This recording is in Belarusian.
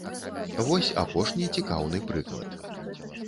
Вось апошні цікаўны прыклад.